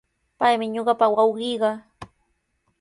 Paymi ñuqapa wawqiiqa.